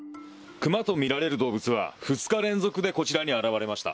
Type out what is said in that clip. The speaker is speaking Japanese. クマとみられる動物は２日連続でこちらに現れました。